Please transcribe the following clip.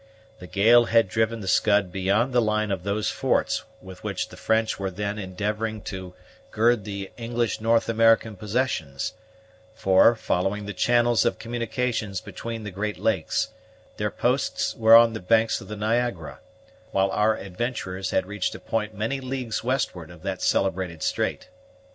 The gale had driven the Scud beyond the line of those forts with which the French were then endeavoring to gird the English North American possessions; for, following the channels of communication between the great lakes, their posts were on the banks of the Niagara, while our adventurers had reached a point many leagues westward of that celebrated strait.